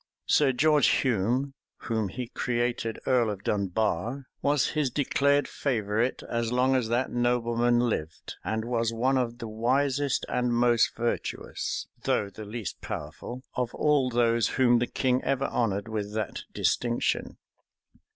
Sir George Hume, whom he created earl of Dunbar, was his declared favorite as long as that nobleman lived, and was one of the wisest and most virtuous, though the least powerful, of all those whom the king ever honored with that distinction.